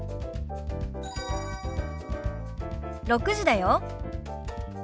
６時だよ。